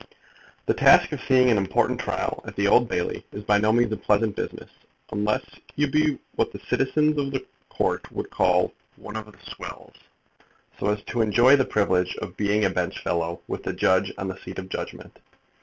The task of seeing an important trial at the Old Bailey is by no means a pleasant business, unless you be what the denizens of the Court would call "one of the swells," so as to enjoy the privilege of being a benchfellow with the judge on the seat of judgment.